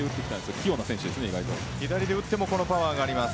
左で打ってもこのパワーがあります。